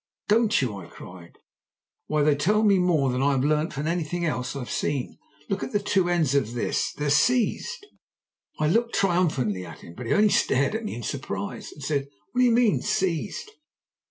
"Don't you?" I cried. "Why, they tell me more than I have learnt from anything else I've seen. Look at the two ends of this. They're seized!" I looked triumphantly at him, but he only stared at me in surprise, and said, "What do you mean by 'seized'?"